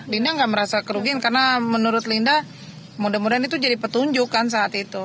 linda nggak merasa kerugian karena menurut linda mudah mudahan itu jadi petunjuk kan saat itu